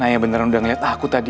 ayah beneran udah ngeliat aku tadi